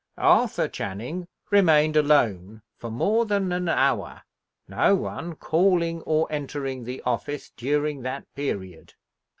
Arthur Channing remained alone for more than an hour, no one calling or entering the office during that period.